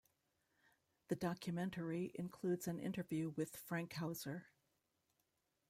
The documentary includes an interview with Frankhauser.